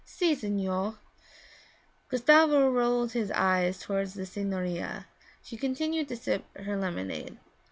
'Si, signore.' Gustavo rolled his eyes toward the signorina; she continued to sip her lemonade.